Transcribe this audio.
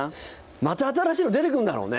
また新しいの出てくるんだろうね。